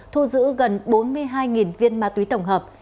thu giữ gần bốn mươi hai viên ma túy tổng hợp